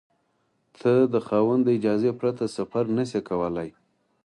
ته د خاوند له اجازې پرته سفر نشې کولای.